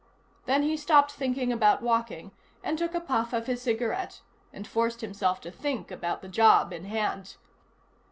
Then he stopped thinking about walking, and took a puff of his cigarette, and forced himself to think about the job in hand.